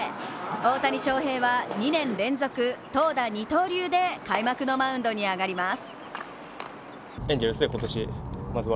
大谷翔平は２年連続投打二刀流で開幕のマウンドに上がります。